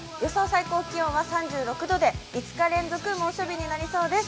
最高気温は３６度で５日連続猛暑日になりそうです。